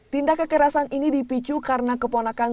tindak kekerasan ini dipicu karena keponakan